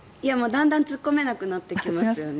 だんだん突っ込めなくなってきますよね。